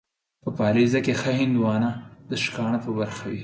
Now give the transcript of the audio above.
په پاليزه کې ښه هندوانه ، د شکاڼه په برخه وي.